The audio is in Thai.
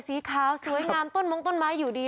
สีขาวสวยงามต้นมงต้นไม้อยู่ดี